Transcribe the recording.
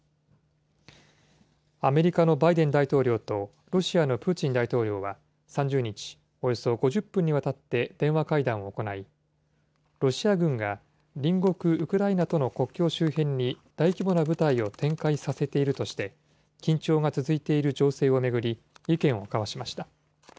アメリカのバイデン大統領とロシアのプーチン大統領は、３０日、およそ５０分にわたって電話会談を行い、ロシア軍が隣国ウクライナとの国境周辺に大規模な部隊を展開させているとして、緊張が続いている情勢を巡り、意見を交わしました。